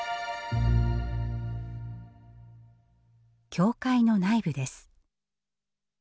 教会の内部です。